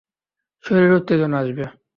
শরীরে উত্তেজনা আসবে।